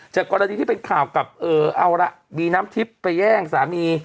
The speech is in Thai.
กรณีที่เป็นข่าวกับเอาละบีน้ำทิพย์ไปแย่งสามี